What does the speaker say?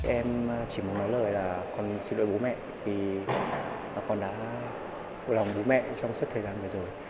em chỉ muốn nói lời là còn xin lỗi bố mẹ thì con đã phụ lòng bố mẹ trong suốt thời gian vừa rồi